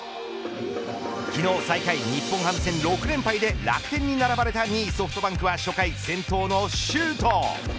昨日、最下位日本ハム戦６連敗で楽天に並ばれた２位ソフトバンクは初回先頭の周東。